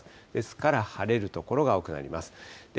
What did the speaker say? ですから、晴れる所が多くなります。